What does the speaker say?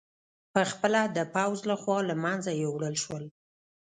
په خپله د پوځ له خوا له منځه یووړل شول